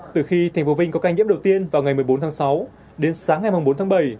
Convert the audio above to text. từ khi thành phố vinh có ca nhiễm đầu tiên vào ngày một mươi bốn tháng sáu đến sáng ngày bốn tháng bảy